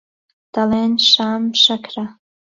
دەڵێن شام شەکرە